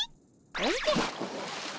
おじゃっ。